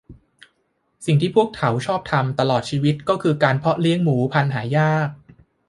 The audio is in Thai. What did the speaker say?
สิ่งที่พวกเขาชอบทำตลอดชีวิตก็คือเพาะเลี้ยงหมูพันธุ์หายาก